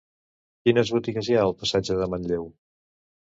Quines botigues hi ha al passatge de Manlleu?